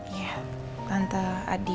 iya tante adi